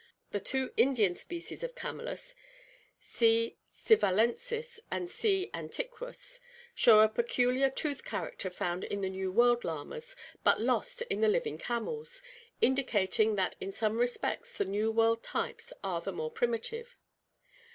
The two Indian species of Camelus, C. sivalensis and C. antiquus, show a peculiar tooth character found in the New World llamas but lost in the living camels, indicating that in some respects the New World types are the more primitive.